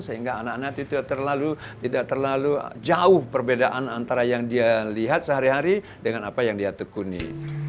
sehingga anak anak itu tidak terlalu jauh perbedaan antara yang dia lihat sehari hari dengan apa yang dia tekuni